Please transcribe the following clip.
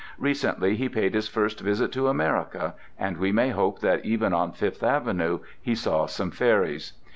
Recently he paid his first visit to America, and we may hope that even on Fifth Avenue he saw some fairies.